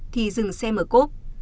thì dừng xe mở cốp